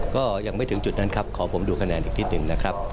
ก็ยังไม่ถึงจุดนั้นครับขอผมดูคะแนนอีกนิดหนึ่งนะครับ